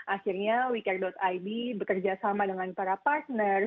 akhirnya wecare ib bekerja sama dengan para partner